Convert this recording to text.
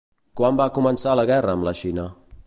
Quan va començar la guerra amb la Xina?